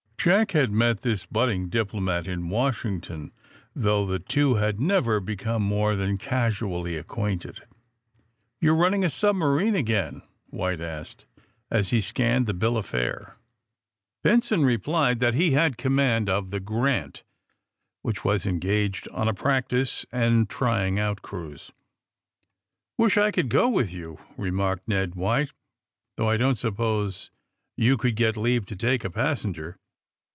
Jack had met this budding diplomat in Wash ington, though the two had never become moro than casually acquainted. '^You're running a submarine again?" White asked, as he scanned the bill of fare. 50 THE SUBMAEINE BOYS Benson replied that lie had command of the '* Grant," whicli was engaged on a practice and trying ont cruise. ^^Wisli I conld go with you,'^ remarked Ned White, ^^ though I don't suppose you could get leave to take a passenger."